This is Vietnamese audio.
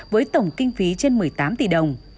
với tổng kinh phí trên một mươi tám tỷ đồng